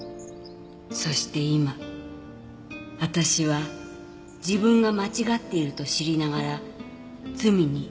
「そして今私は自分が間違っていると知りながら罪に手を染めます」